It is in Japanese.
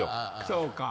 そうか。